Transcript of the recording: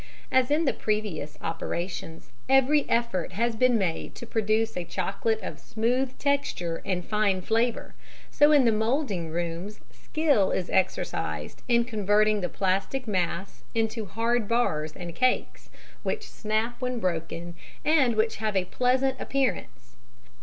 As in the previous operations, every effort has been made to produce a chocolate of smooth texture and fine flavour, so in the moulding rooms skill is exercised in converting the plastic mass into hard bars and cakes, which snap when broken and which have a pleasant appearance.